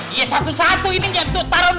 iya satu satu ini taruh dulu taruh dulu